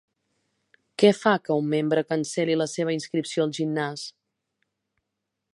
Què fa que un membre cancel·li la seva inscripció al gimnàs?